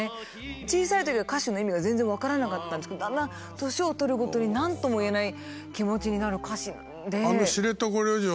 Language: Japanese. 小さいときは歌詞の意味が全然分からなかったんですけどだんだん年を取るごとに何とも言えない気持ちになる歌詞なんで。